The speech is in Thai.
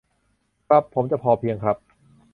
ครับ ผมจะพอเพียงครับ